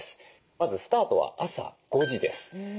まずスタートは朝５時です。